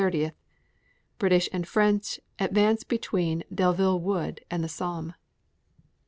British and French advance between Delville Wood and the Somme.